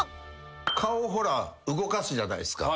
顔を動かすじゃないですか。